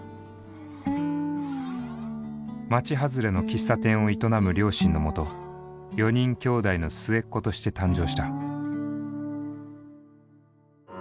町はずれの喫茶店を営む両親のもと４人兄弟の末っ子として誕生した。